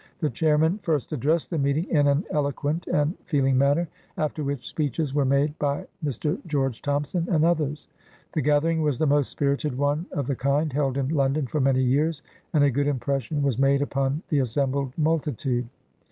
The Chairman first addressed the meeting in an elo quent and feeling manner, after which, speeches were made by Mr. George Thompson and others. The gath ering was the most spirited one of the kind held in London for many years, and a good impression was made upon the assembled multitude."